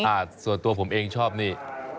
ส่วนตัวผมเองชอบนี่